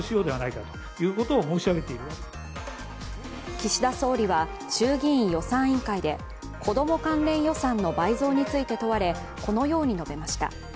岸田総理は衆議院予算委員会で子供関連予算の倍増について問われ、このように述べました。